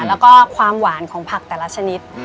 แล้วก็ความหวานของผักแต่ละชนิด